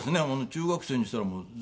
中学生にしたら。